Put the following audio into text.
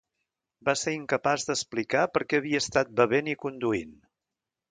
Va se incapaç d'explicar per què havia estat bevent i conduint.